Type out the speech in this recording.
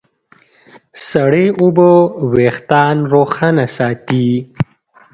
سړې اوبه وېښتيان روښانه ساتي.